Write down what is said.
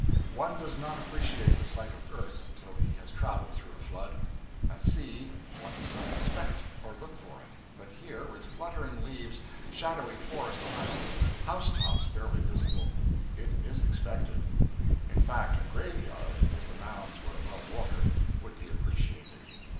One does not appreciate the sight of earth until he has traveled through a flood. At sea one does not expect or look for it, but here, with fluttering leaves, shadowy forest aisles, house tops barely visible, it is expected. In fact a grave yard, if the mounds were above water, would be appreciated.